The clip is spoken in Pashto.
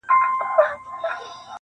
انارکلي اوښکي دي مه تویوه-